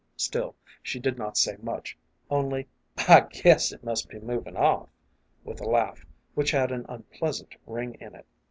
Still she did not say much, only, " I guess it must be movin' off," with a laugh, which had an unpleasant ring in it.